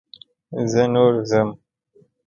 زه نور ځم.